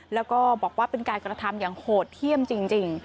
แล้วก็บอกว่าเป็นการกระทำอย่างโหดเยี่ยมจริง